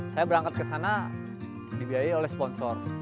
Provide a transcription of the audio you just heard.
saya berangkat ke sana dibiayai oleh sponsor